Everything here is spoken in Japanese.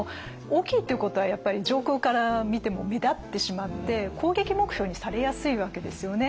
大きいっていうことはやっぱり上空から見ても目立ってしまって攻撃目標にされやすいわけですよね。